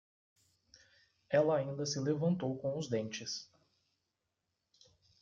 Ela ainda se levantou com os dentes